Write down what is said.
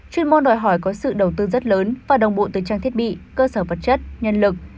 chuyên môn đòi hỏi có sự đầu tư rất lớn và đồng bộ từ trang thiết bị cơ sở vật chất nhân lực